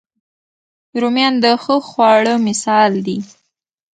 رومیان د ښه خواړه مثال دي